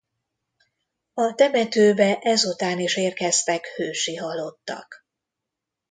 A temetőbe ezután is érkeztek hősi halottak.